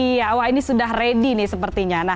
iya wah ini sudah ready